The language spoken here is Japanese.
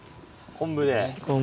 昆布で。